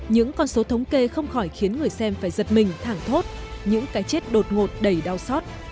những con số thống kê không khỏi khiến người xem phải giật mình thả thốt những cái chết đột ngột đầy đau xót